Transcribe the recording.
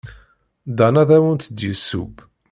Dan ad awent-d-yesseww.